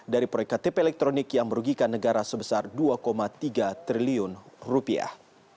dari proyek ktp elektronik yang merugikan negara sebesar dua tiga triliun rupiah